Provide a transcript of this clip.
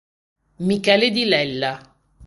Michele Di Lella